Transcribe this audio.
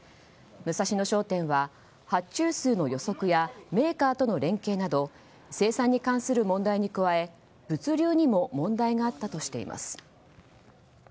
ムサシノ商店は発注数の予測やメーカーとの連携など生産に関する問題に加え物流にも問題があったとしています。